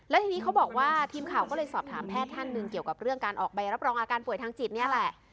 และทีนี้เขาบอกว่าทีมข่าวก็เลยสอบถามแพทย์ท่านหนึ่งเกี่ยวกับเรื่องการออกใบรับรองอาการป่วยทางจิตนี่แหละ